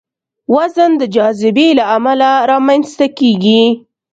وزن د جاذبې له امله رامنځته کېږي.